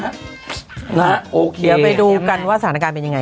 ครับอย่างเหมือนกันเดี๋ยวไปดูกันสถานการณ์เป็นยังไงค่ะ